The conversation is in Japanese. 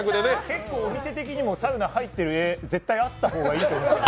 結構お店的にもサウナに入っている画、あった方がいいと。